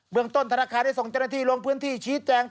เมืองต้นธนาคารได้ส่งเจ้าหน้าที่ลงพื้นที่ชี้แจง